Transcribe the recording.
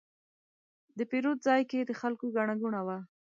د پیرود ځای کې د خلکو ګڼه ګوڼه وه.